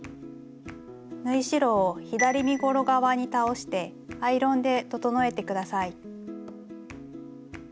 縫い代を左身ごろ側に倒してアイロンで整えて下さい。